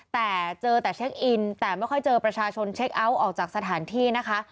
แต่เจอแต่เช็คอินแต่ไม่ค่อยเจอประชาชนเช็คเอาท์ออกจากสถานที่นะคะ